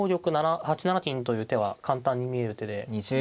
８七金という手は簡単に見える手で。